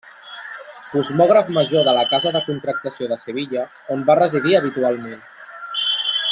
Cosmògraf major de la Casa de Contractació de Sevilla, on va residir habitualment.